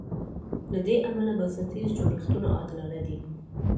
له دې امله بنسټیز جوړښتونه عادلانه دي.